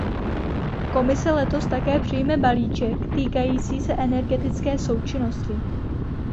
Komise letos také přijme balíček týkající se energetické účinnosti.